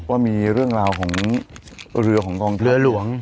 ว่ามีเรื่องราวของเรือของกองเรือหลวง